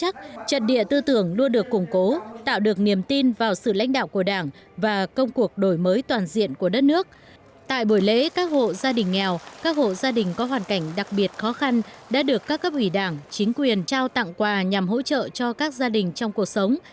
tại buổi lễ các hộ gia đình nghèo các hộ gia đình có hoàn cảnh đặc biệt khó khăn đã được các cấp ủy đảng chính quyền trao tặng quà nhằm hỗ trợ cho các gia đình trong cuộc sống